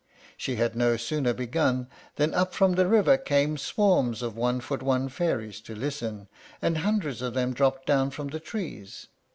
She had no sooner begun than up from the river came swarms of one foot one fairies to listen, and hundreds of them dropped down from the trees.